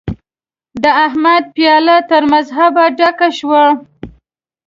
د احمد پياله تر مذهبه ډکه شوه.